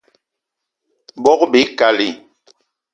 Bogb-ikali